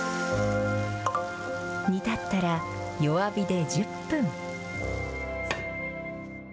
煮立ったら弱火で１０分。